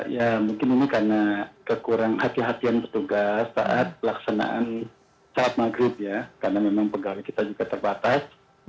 ya mungkin ini karena kekurang hati hatian petugas saat pelaksanaan sholat maghrib ya karena memang pegawai kita juga terbatas